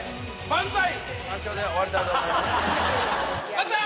万歳！